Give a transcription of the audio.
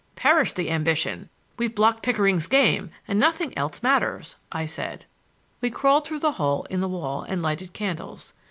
"Perish the ambition! We have blocked Pickering's game, and nothing else matters," I said. We crawled through the hole in the wall and lighted candles.